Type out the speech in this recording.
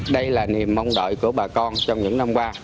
đây là niềm mong đợi của bà con trong những năm qua